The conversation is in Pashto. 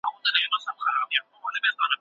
بانکي سیستم د پیسو په ساتلو کي مرسته کوي.